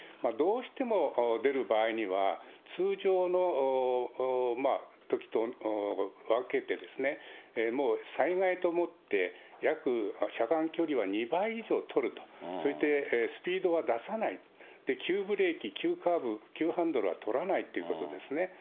どうしても出る場合には、通常のときと分けて、もう災害と思って約、車間距離は２倍以上取ると、そしてスピードは出さない、急ブレーキ、急カーブ、急ハンドルは取らないということですね。